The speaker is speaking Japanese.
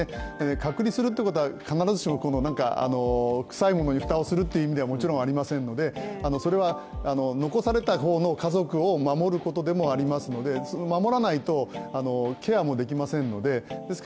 隔離するということは、必ずしも臭いものに蓋をするという意味ではもちろんありませんので、それは残された方の家族を守ることでもありますので守らないと、ケアもできませんので。